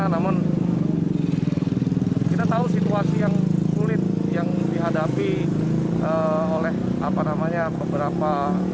namun kita tahu situasi yang sulit yang dihadapi oleh beberapa